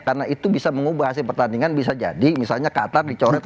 karena itu bisa mengubah hasil pertandingan bisa jadi misalnya qatar dicoret